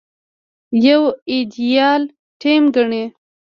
يو ايديال ټيم ګڼي.